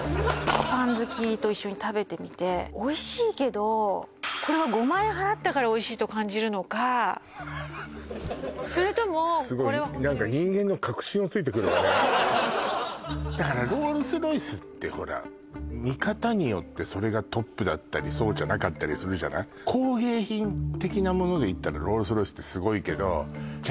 パン好きと一緒に食べてみておいしいけどこれは５万円払ったからおいしいと感じるのかそれともすごい何かだからロールスロイスってほら見方によってそれがトップだったりそうじゃなかったりするじゃない工芸品的なものでいったらロールスロイスってすごいけどじゃ